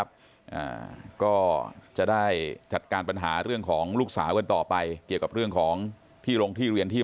พออ้อไม่ได้พูดแต่ว่าผู้หญิงสองคนนี้